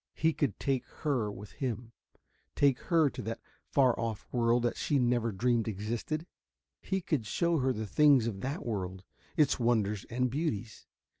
He could take her with him, take her to that far off world that she never dreamed existed. He could show her the things of that world, its wonders and beauties.